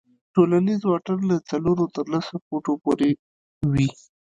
ټولنیز واټن له څلورو تر لسو فوټو پورې وي.